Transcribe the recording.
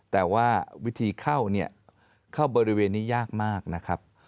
แต่ว่าวิธีเข้าเนี่ยเข้าบริเวณนี้ยากมากนะครับ